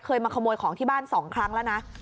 มาขโมยของที่บ้าน๒ครั้งแล้วนะ